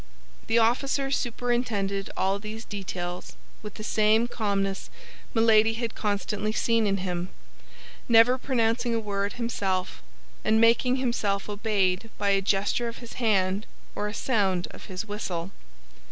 The officer superintended all these details with the same calmness Milady had constantly seen in him, never pronouncing a word himself, and making himself obeyed by a gesture of his hand or a sound of his whistle.